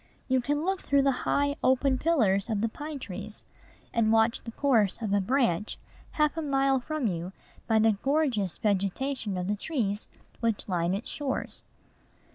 You can look through the high, open pillars of the pine trees, and watch the course of a branch half a mile from you by the gorgeous vegetation of the trees which line its shores.